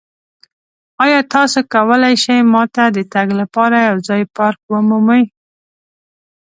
ایا تاسو کولی شئ ما ته د تګ لپاره یو ځایی پارک ومومئ؟